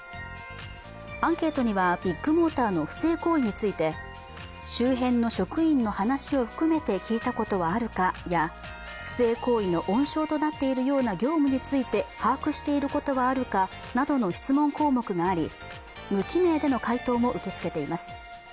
アンケートには、ビッグモーターの不正行為について周辺の職員の話を含めて聞いたことはあるかや、不正行為の温床となっているような業務について把握していることはあるかなどの質問項目があり、無記名での回答も受け付けています。